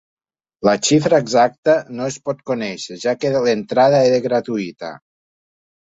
La xifra exacta no es pot conèixer, ja que l’entrada era gratuïta.